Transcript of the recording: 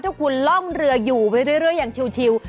ถ้าคุณล่องเรืออยู่ไปเรื่อยอย่างชิว